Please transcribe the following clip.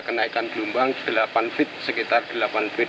kenaikan gelombang delapan fit sekitar delapan fit